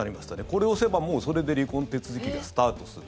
これを押せば、もうそれで離婚手続きがスタートする。